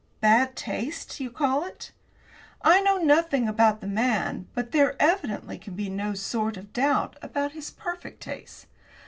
"Bad taste, you call it. I know nothing about the man, but there, evidently, can be no sort of doubt about his perfect taste."